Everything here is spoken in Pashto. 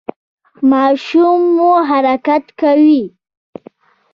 ماشوم مو حرکت کوي؟